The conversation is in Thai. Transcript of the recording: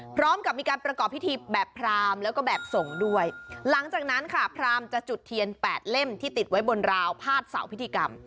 พร้อมกับมีการประกอบพิธีแบบพรามแล้วก็แบบส่งด้วยหลังจากนั้นค่ะพรามจะจุดเทียนแปดเล่มที่ติดไว้บนราวพาดเสาพิธีกรรม